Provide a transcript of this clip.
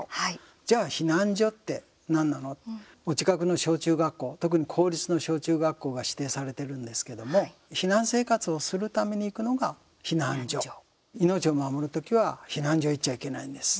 じゃあ避難所って何なのお近くの小中学校特に公立の小中学校が指定されてるんですけれども避難生活をするために行くのが避難所、命を守る時は避難所へ行っちゃいけないんです。